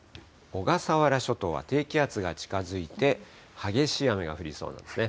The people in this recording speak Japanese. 小笠原諸島は低気圧が近づいて、激しい雨が降りそうなんですね。